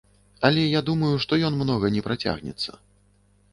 Але я думаю, што ён многа не працягнецца.